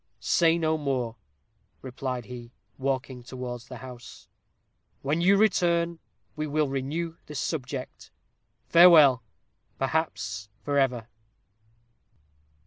'Say no more,' replied he, walking towards the house; 'when you return we will renew this subject; farewell perhaps forever!'